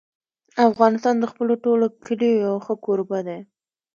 افغانستان د خپلو ټولو کلیو یو ښه کوربه دی.